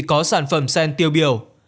có sản phẩm sen tiêu biểu